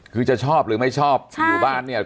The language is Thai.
คือจะชอบหรือไม่ชอบอยู่บ้านเนี่ย